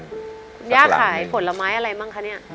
คุณย่าขายผลไม้อะไรบ้างคะเนี่ย